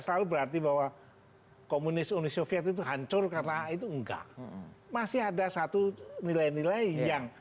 selalu berarti bahwa komunis uni soviet itu hancur karena itu enggak masih ada satu nilai nilai yang